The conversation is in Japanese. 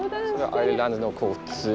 アイルランドの交通。